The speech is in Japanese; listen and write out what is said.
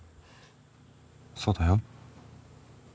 そうだよ。